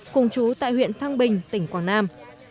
cùng chú tại huyện thăng bình tỉnh quảng nam